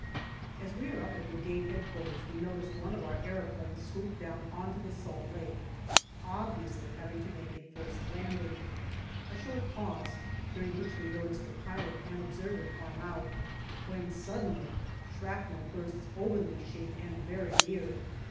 As we are up at Brigade H.Q., we notice one of our aeroplanes swoop down on to the Salt Lake, obviously having to make a forced landing. A short pause, during which we notice the pilot and observer climb out, when suddenly shrapnel bursts over the machine and very near.